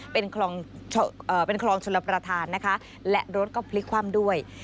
เป็นคลองชลประธานนะคะและรถก็พลิกคว่ำด้วย